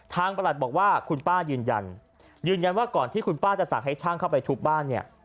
ประหลัดบอกว่าคุณป้ายืนยันยืนยันว่าก่อนที่คุณป้าจะสั่งให้ช่างเข้าไปทุบบ้านเนี่ย